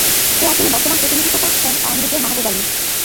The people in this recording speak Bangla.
এ আসনের বর্তমান প্রতিনিধিত্ব করছেন আওয়ামী লীগের মাহবুব আলী।